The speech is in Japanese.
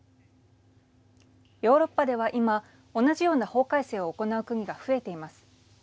ヨーロッパでは今、同じような法改正を行う国が増えています。